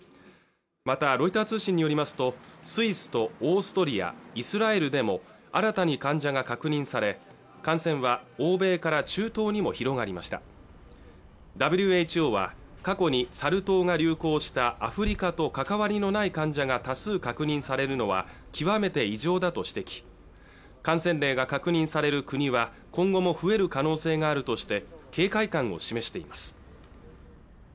またロイター通信によりますとスイスとオーストリアイスラエルでも新たに患者が確認され感染は欧米から中東にも広がりましたＷＨＯは過去にサル痘が流行したアフリカと関わりのない患者が多数確認されるのは極めて異常だと指摘感染例が確認される国は今後も増える可能性があるとして警戒感を示しています